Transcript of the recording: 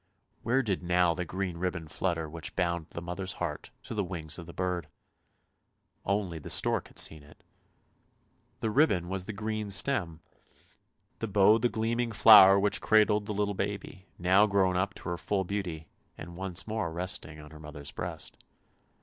Where did now the green ribbon flutter which bound the mother's heart to the wings of the bird? Only the stork had seen it. The ribbon was the green stem, the bow the gleaming flower which cradled the little baby, now grown up to her full beauty, and once more resting on her mother's breast.